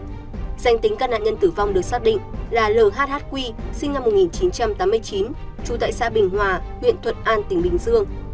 danh tính các nạn nhân tử vong được xác định là lhq sinh năm một nghìn chín trăm tám mươi chín trú tại xã bình hòa huyện thuận an tỉnh bình dương